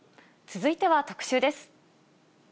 続いては特集です。